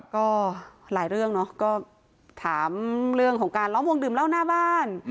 ก็หลายเรื่องเนาะก็ถามเรื่องของการล้อมวงดื่มเหล้าหน้าบ้าน